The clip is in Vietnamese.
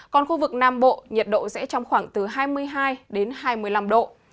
còn khu vực nam bộ nhiệt độ sẽ trong khoảng từ hai mươi hai đến hai mươi năm độ